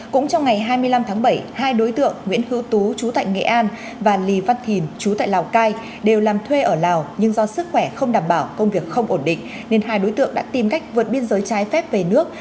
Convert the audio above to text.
cũng trong ngày hai mươi năm tháng bảy hai đối tượng nguyễn hữu tú chú tại nghệ an và lì văn thìn chú tại lào cai đều làm thuê ở lào nhưng do sức khỏe không đảm bảo công việc không ổn định nên hai đối tượng đã tìm cách vượt biên giới trái phép về nước